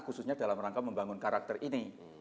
khususnya dalam rangka membangun karakter ini